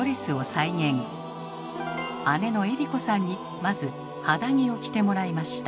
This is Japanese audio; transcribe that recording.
姉の江里子さんにまず肌着を着てもらいました。